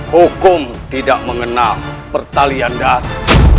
hukum tidak mengenal pertalian data